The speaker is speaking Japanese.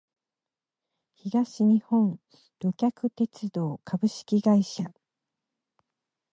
東日本旅客鉄道株式会社